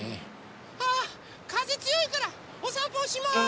あかぜつよいからおさんぽおしまい！